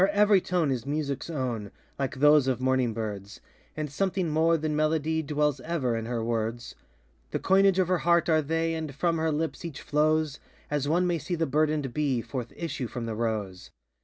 Her every tone is musicŌĆÖs own, Like those of morning birds, And something more than melody Dwells ever in her words; The coinage of her heart are they, And from her lips each flows As one may see the burdenŌĆÖd bee Forth issue from the rose.